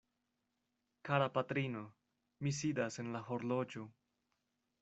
Kara patrino, mi sidas en la horloĝo.